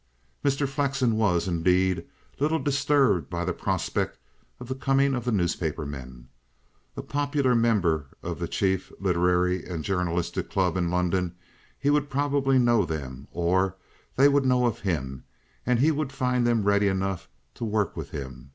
Mr. Flexen was, indeed, little disturbed by the prospect of the coming of the newspaper men. A popular member of the chief literary and journalistic club in London, he would probably know them, or they would know of him; and he would find them ready enough to work with him.